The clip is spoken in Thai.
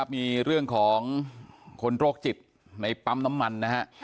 มีเรื่องของคนโรคจิตในปั๊มน้ำมันนะฮะ